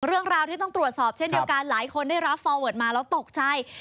เรื่องราวที่ต้องตรวจสอบเช่นเดียวกันหลายคนได้รับฟอร์เวิร์ดมาแล้วตกใจ